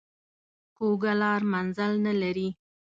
کوږه لار منزل نه لري